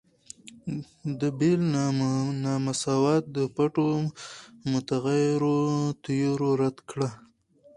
د بیل نا مساوات د پټو متغیرو تیوري رد کړه.